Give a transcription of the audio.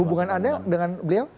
hubungan anda dengan beliau